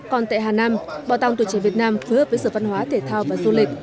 còn tại hà nam bảo tàng tù trẻ việt nam phối hợp với sở văn hóa thể thao và du lịch